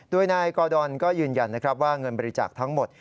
โดยนายกอดอนก็ยืนยันนะครับว่าเงินบริจาคทั้งหมด